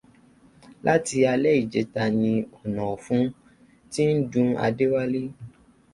Láti alẹ́ ìjẹta ni ọ̀nà ọ̀fun ń tí dun Adéwálé.